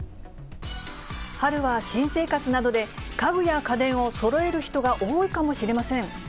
春は新生活などで家具や家電をそろえる人が多いかもしれません。